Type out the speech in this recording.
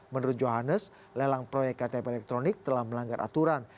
menurut johannes lelang proyek ktp elektronik telah melanggar aturan